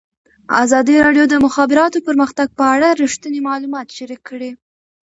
ازادي راډیو د د مخابراتو پرمختګ په اړه رښتیني معلومات شریک کړي.